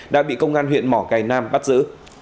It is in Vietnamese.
đã bị công an huyện mỏ cầy nam bắt giữ